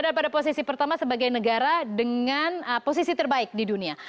dan ini adalah posisi pertama sebagai negara dengan posisi terbaik di dunia